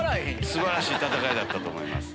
素晴らしい戦いだったと思います。